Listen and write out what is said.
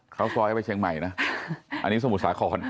ซอยไปเชียงใหม่นะอันนี้สมุทรสาคร